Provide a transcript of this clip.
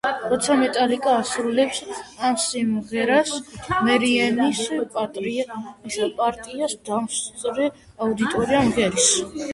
როცა მეტალიკა ასრულებს ამ სიმღერას, მერიენის პარტიას დამსწრე აუდიტორია მღერის.